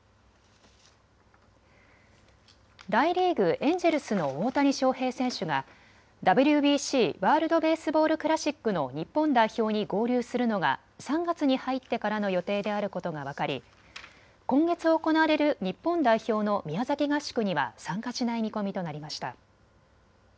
大リーグ、エンジェルスの大谷翔平選手がＷＢＣ・ワールド・ベースボール・クラシックの日本代表に合流するのが３月に入ってからの予定であることが分かり、今月行われる日本代表の宮崎合宿には参加しない見込みとなりました。